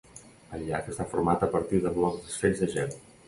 El llac està format a partir de blocs desfets de gel.